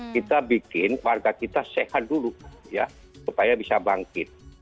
kita bikin warga kita sehat dulu ya supaya bisa bangkit